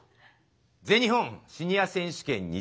全日本シニア選手権２０１８